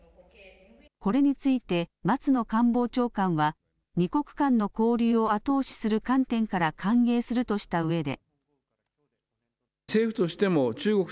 これについて松野官房長官は二国間の交流を後押しする観点から歓迎するとしたうえで。